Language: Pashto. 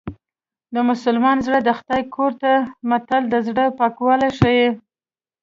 د مسلمان زړه د خدای کور دی متل د زړه پاکوالی ښيي